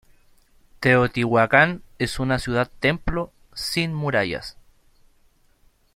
Teotihuacán es una ciudad-templo, sin murallas.